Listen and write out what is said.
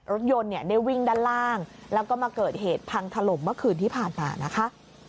รถยนต์เนี่ยได้วิ่งด้านล่างแล้วก็มาเกิดเหตุพังถล่มเมื่อคืนที่ผ่านมานะคะ